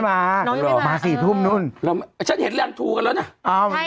มาน้องยังไม่มามาสี่ทุ่มนู่นเราฉันเห็นแรงทูกันแล้วน่ะอ้อ